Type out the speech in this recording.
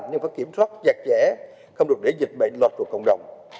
nhưng phải kiểm soát chặt chẽ không được để dịch bệnh lọt vào cộng đồng